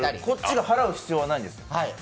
こっちが払う必要がないんです。